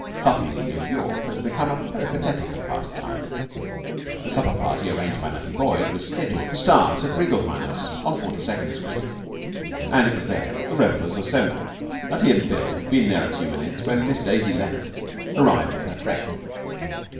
Supping in New York has become a peripatetic pastime. The supper party arranged by Nutty Boyd was scheduled to start at Reigelheimer's on Forty second Street, and it was there that the revellers assembled. Nutty and Bill had been there a few minutes when Miss Daisy Leonard arrived with her friend.